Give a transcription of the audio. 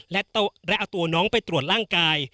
และเอาตัวน้องไปตรวจร่างกาย